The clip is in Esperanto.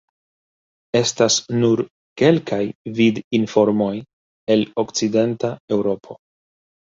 Estas nur kelkaj vid-informoj el Okcidenta Eŭropo.